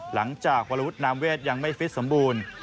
หลังจากวรวุฒินามเวทยังไม่ฟิตสมบูรณ์